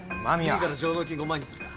次から上納金５万にするか